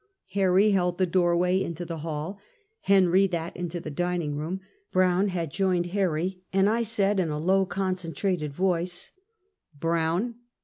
Harry held the door way into the hall; Henry that into the dining room. Brown had joined Harry, and I said in a low, concentrated voice : "Brown."